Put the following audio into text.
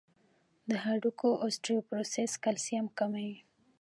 د هډوکو اوسټيوپوروسس کلسیم کموي.